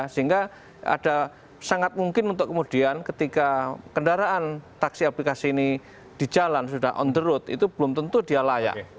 sehingga ada sangat mungkin untuk kemudian ketika kendaraan taksi aplikasi ini di jalan sudah on the road itu belum tentu dia layak